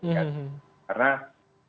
dengan peristiwa di jakarta gitu kan